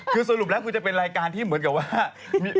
คือสรุปแล้วคือจะเป็นรายการที่เหมือนกับว่า